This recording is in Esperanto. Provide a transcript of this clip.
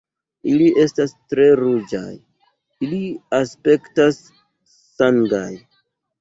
"Ili estas tre ruĝaj. Ili aspektas sangaj."